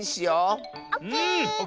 オッケー！